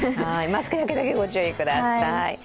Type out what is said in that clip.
マスク焼け、御注意ください。